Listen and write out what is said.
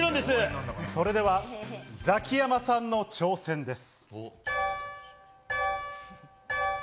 それではザキヤマさんの挑戦です。